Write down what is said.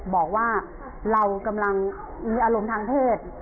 บอกว่าเรากำลังมีอารมณ์ทางเพศ